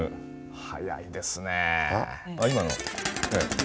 速いですね。